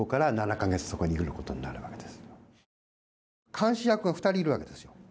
監視役が２人いるわけですよ。